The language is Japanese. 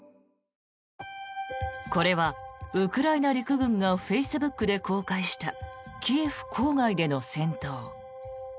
これは、ウクライナ陸軍がフェイスブックで公開したキエフ郊外での戦闘。